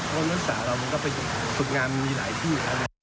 เพราะว่านักศึกษาเรามันก็เป็นศึกงานมีหลายที่